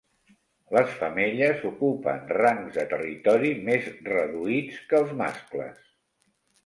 Les femelles ocupen rangs de territori més reduïts que els mascles.